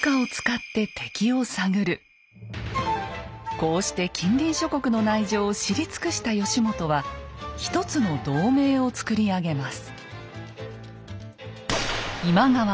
こうして近隣諸国の内情を知り尽くした義元は一つの同盟を作り上げます。